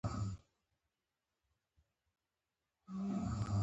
سوداګرو رانیول جایز مالونه.